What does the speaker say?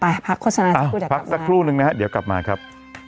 ไปพักโฆษณาพักสักครู่หนึ่งนะฮะเดี๋ยวกลับมาครับ